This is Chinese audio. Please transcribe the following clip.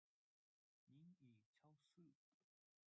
您已超速